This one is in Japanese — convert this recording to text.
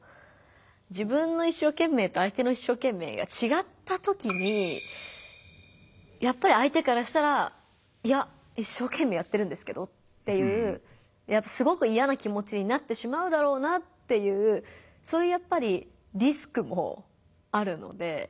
自分の一生懸命と相手の一生懸命がちがったときにやっぱり相手からしたら「いや一生懸命やってるんですけど」っていうすごく嫌な気持ちになってしまうだろうなっていうそういうやっぱりリスクもあるので。